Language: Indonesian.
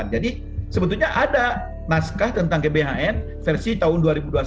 jadi sebetulnya ada maskah tentang gbhn versi tahun dua ribu dua puluh satu